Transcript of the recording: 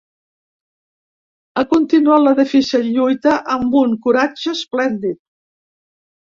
Ha continuat la difícil lluita amb un coratge esplèndid